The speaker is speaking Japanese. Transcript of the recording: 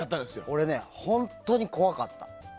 俺ね、本当に怖かった。